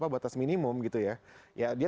batas minimum gitu ya ya dia